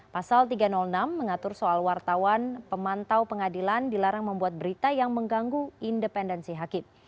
pasal tiga ratus enam mengatur soal wartawan pemantau pengadilan dilarang membuat berita yang mengganggu independensi hakim